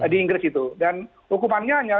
di inggris itu dan hukumannya hanya